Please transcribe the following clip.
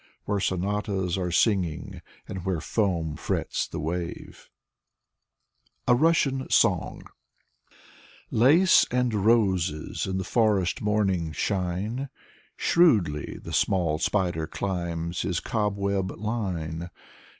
Where sonatas are singing and where foam frets the wave. Igor S every anin 157 A RUSSIAN SONG Lace and roses in the forest morning shine, Shrewdly the small spider climbs his cobweb line.